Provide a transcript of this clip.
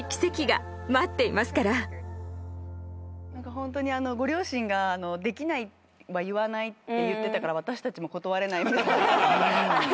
ホントにご両親が「できないは言わない」って言ってたから私たちも断れない。